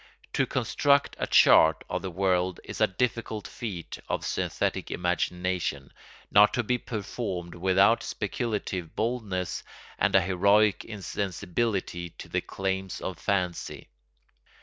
To construct a chart of the world is a difficult feat of synthetic imagination, not to be performed without speculative boldness and a heroic insensibility to the claims of fancy.